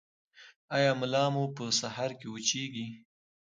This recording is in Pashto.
ایا ملا مو په سهار کې وچیږي؟